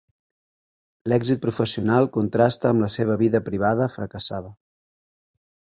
L'èxit professional contrasta amb la seva vida privada fracassada.